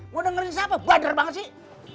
gue dengerin siapa bader banget sih